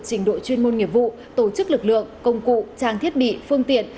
trình đội chuyên môn nghiệp vụ tổ chức lực lượng công cụ trang thiết bị phương tiện